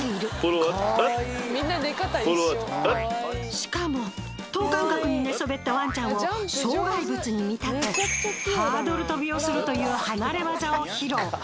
しかも等間隔に寝そべったワンちゃんを障害物に見立てハードル跳びをするという離れ業を披露。